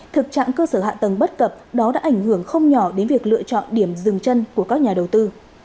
thực trạng cơ sở hạ tầng bất cập đó đã ảnh hưởng không nhỏ đến việc lựa chọn điểm dừng chân của các nhà đầu tư